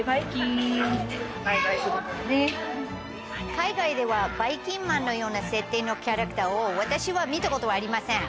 海外ではばいきんまんのような設定のキャラクターを私は見たことありません。